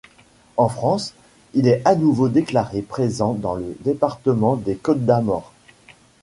En France il est à nouveau déclaré présent dans le département des Côtes-d'Armor.